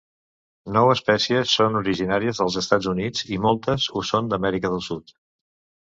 Nou espècies són originàries dels Estats Units i moltes ho són d'Amèrica del Sud.